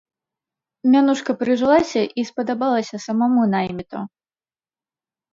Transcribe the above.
Мянушка прыжылася, і спадабалася самаму найміту.